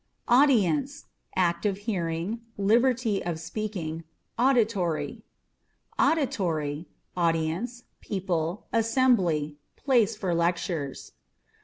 Audience: â€" act of hearing, liberty of speaking, auditory. Auditory â€" audience, people, assembly ; place for lectures.